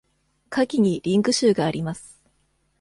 下記にリンク集があります。